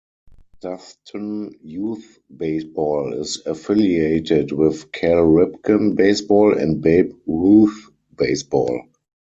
Stoughton Youth Baseball is affiliated with Cal Ripken Baseball and Babe Ruth Baseball.